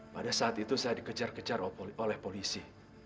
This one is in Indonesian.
pada saat itu saya dikejar kejar oleh polisi